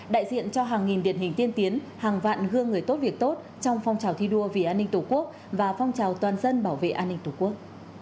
đại diện cho hàng nghìn điển hình tiên tiến hàng vạn gương người tốt việc tốt trong phong trào thi đua vì an ninh tổ quốc và phong trào toàn dân bảo vệ an ninh tổ quốc